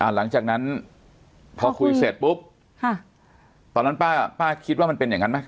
หลังจากนั้นพอคุยเสร็จปุ๊บตอนนั้นป้าคิดว่ามันเป็นอย่างนั้นไหม